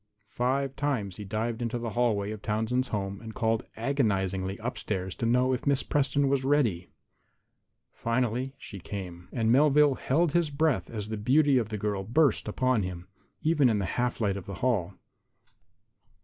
Five times he dived into the hallway of Townsend's home and called agonizingly upstairs to know if Miss Preston was ready. Finally she came. And Melvale held his breath as the beauty of the girl burst upon him, even in the half light of the hall.